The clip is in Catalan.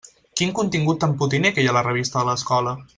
Quin contingut tan potiner que hi ha a la revista de l'escola!